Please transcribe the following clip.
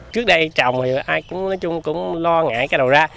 trước đây trồng thì ai cũng lo ngại cái đầu ra